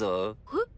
えっ？